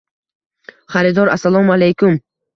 Xaridor: Assalomu Alaykum